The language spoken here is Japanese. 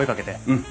うん。